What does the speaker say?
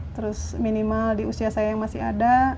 terus minimal di usia saya yang masih ada